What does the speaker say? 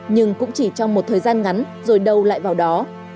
nhưng cũng chỉ trong một thời gian ngắn rồi đâu lại vào đó